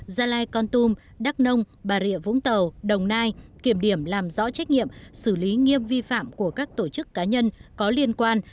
gia lai con tum đắk nông bà rịa vũng tàu đồng nai kiểm điểm làm rõ trách nhiệm xử lý nghiêm vi phạm của các tổ chức cá nhân có liên quan